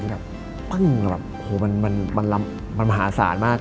ที่แบบปึ้งมันมหาศาลมาก